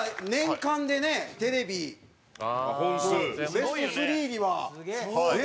ベスト３には、ねえ。